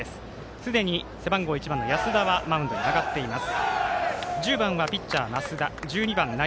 すでに背番号１番の安田はマウンドに上がっています。